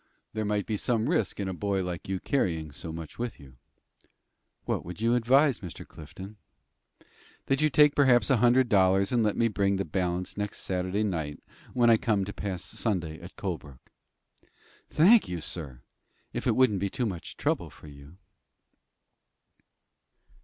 There might be some risk in a boy like you carrying so much with you." "What would you advise, Mr. Clifton?" "That you take perhaps a hundred dollars, and let me bring the balance next Saturday night, when I come to pass Sunday at Colebrook." "Thank you, sir; if it won't be too much trouble for you."